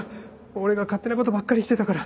俺が勝手な事ばっかりしてたから。